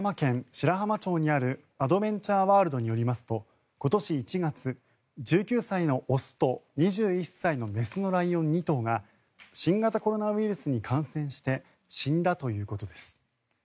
白浜町にあるアドベンチャーワールドによりますと今年１月、１９歳の雄と２１歳の雌のライオン２頭が新型コロナウイルスに感染して死んだということです。